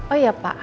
oh ya pak